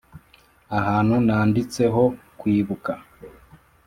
ahantu nanditseho "kwibuka."